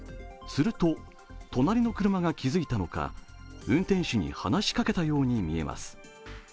すると、隣の車が気付いたのか運転手に話しかけたように見えます。